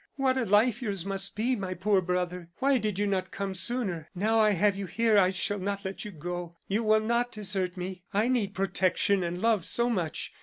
"What a life yours must be, my poor brother! Why did you not come sooner? Now, I have you here, I shall not let you go. You will not desert me. I need protection and love so much.